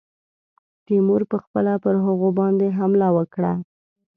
تیمور پخپله پر هغوی باندي حمله وکړه.